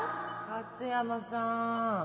勝山さーん。